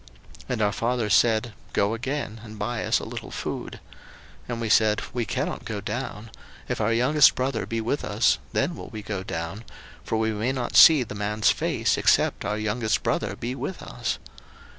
01:044:025 And our father said, Go again, and buy us a little food. 01:044:026 And we said, We cannot go down: if our youngest brother be with us, then will we go down: for we may not see the man's face, except our youngest brother be with us.